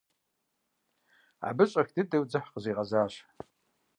Абы щӀэх дыдэ дзыхь къызигъэзащ.